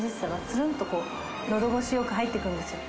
つるんとこう喉越しよく入ってくるんですよ。